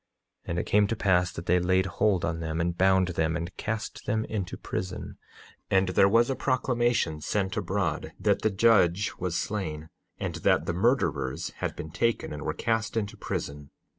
9:9 And it came to pass that they laid hold on them, and bound them and cast them into prison. And there was a proclamation sent abroad that the judge was slain, and that the murderers had been taken and were cast into prison.